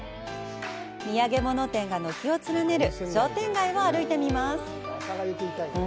土産物店が軒を連ねる商店街を歩いてみます。